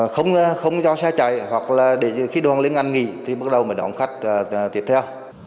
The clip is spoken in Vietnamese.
không cho xe chạy hoặc là khi đoàn liên ngành nghỉ thì bắt đầu đón khách tiếp theo